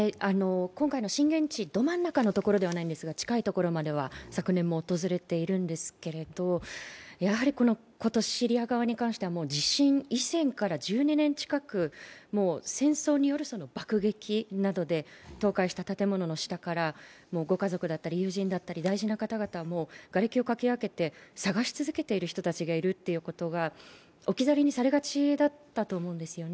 今回の震源地ど真ん中のところではないんですが近いところまでは昨年も訪れているんですけど、やはり今年、シリア側に関しては地震以前から１２年近く戦争などによる爆撃などで倒壊した建物の下からご家族だったり友人だったり大事な方々、がれきをかき分けて探し続けているということが置き去りにされがちだったと思うんですよね。